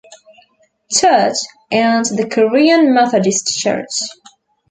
Church and the Korean Methodist Church.